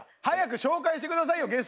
早く紹介して下さいよ